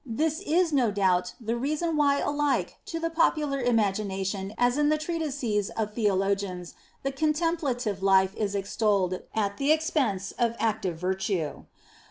This is no doubt the reason why alike to the popular imagination as in the treatises of theologians the contemplative life is extolled at the ex pense of active virtue.